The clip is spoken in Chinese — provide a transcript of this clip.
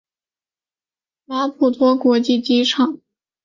马普托国际机场是莫桑比克共和国首都马普托的国际机场。